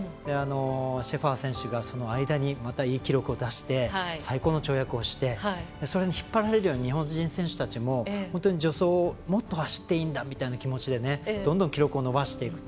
シェファー選手がその間に、またいい記録を出して最高の跳躍をして引っ張られるように日本人選手も助走もっと走っていいんだって気持ちで、どんどん記録を伸ばしていくって